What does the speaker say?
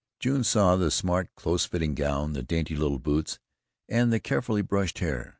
June saw the smart close fitting gown, the dainty little boots, and the carefully brushed hair.